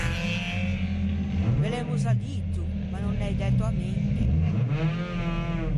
Ve l’emmo za dito, ma no n’ei dæto a mente!